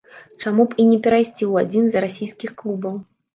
Чаму б і не перайсці ў адзін з расійскіх клубаў?